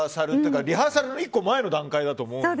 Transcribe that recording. リハーサルの１個前の段階だと思うので。